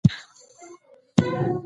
همدا خبره په خپل هندي مکتب کې هم وينو.